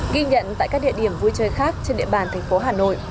ghi nhận tại các địa điểm vui chơi khác trên địa bàn thành phố hà nội